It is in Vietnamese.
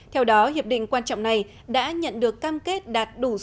theo đó hiệp định quan trọng này đã nhận được các mục đích của tổng thư ký liên hợp quốc ban ki moon